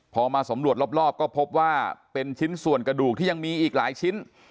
พอมาสำรวจรอบก็พบว่าเป็นชิ้นส่วนกระดูกที่ยังมีอีกหลายชิ้น